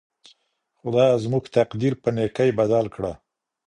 خدایه زموږ تقدیر په نیکۍ بدل کړه.